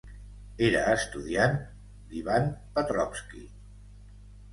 Era estudiant d'Ivan Petrovsky.